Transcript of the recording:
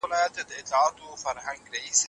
انجمنونه هم د څېړنې برخه ده.